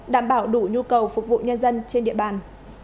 đảm bảo đủ nhu cầu phục vụ nhân dân trên địa bàn